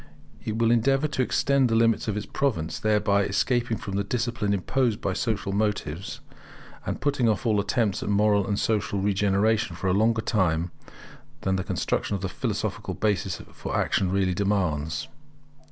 It will endeavour to extend the limits of its province; thereby escaping from the discipline imposed by social motives, and putting off all attempts at moral and social regeneration for a longer time than the construction of the philosophic basis for action really demands.